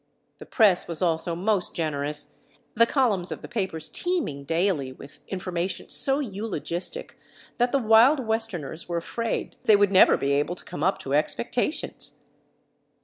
The press was also most generous, the columns of the papers teeming daily with information so eulogistic that the Wild Westerners were afraid they would never be able to come up to expectations.